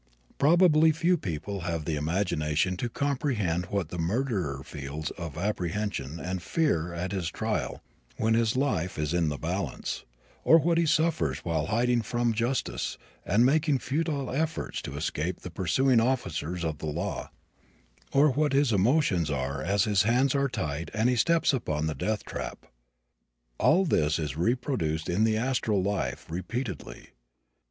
Probably few people have the imagination to comprehend what the murderer feels of apprehension and fear at his trial when his life is in the balance; or what he suffers while hiding from justice and making futile efforts to escape the pursuing officers of the law; or what his emotions are as his hands are tied and he steps upon the death trap. All this is reproduced in the astral life, repeatedly.